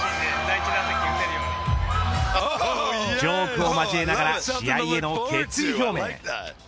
ジョークを交えながら試合への決意表明。